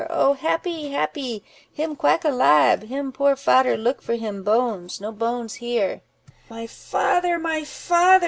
Oh! happy! happy! him quike alibe—him poor fader look for him bones—no bones here." "My father, my father!"